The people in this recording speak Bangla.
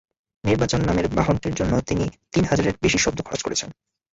নির্বাচন নামের বাহনটির জন্য তিনি তিন হাজারের বেশি শব্দ খরচ করেছেন।